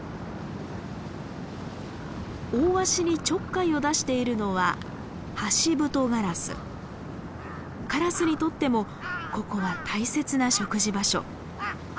オオワシにちょっかいを出しているのはカラスにとってもここは大切な食事場所。